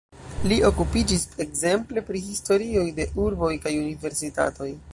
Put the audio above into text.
Li okupiĝis ekzemple pri historioj de urboj kaj universitatoj.